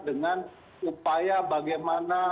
dengan upaya bagaimana